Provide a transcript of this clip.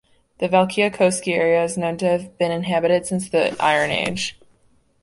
The Valkeakoski area is known to have been inhabited since the iron age.